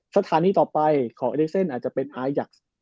สถานีต่อไปของเอเลเซนอาจจะเป็นอายักษ์